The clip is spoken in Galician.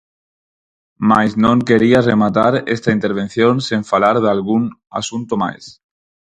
Mais non quería rematar esta intervención sen falar dalgún asunto máis.